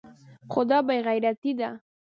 خو دا بې غيرتي ده.